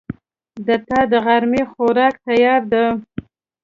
د تا دغرمې خوراک تیار ده